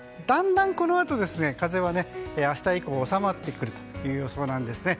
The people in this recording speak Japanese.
だんだんこのあと風は明日以降収まってくる予想です。